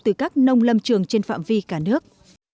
từ các nông lâm trường trên phạm vi cả nước